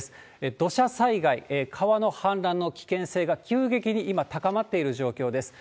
土砂災害、川の氾濫の危険性が急激に今、高まっている状況です。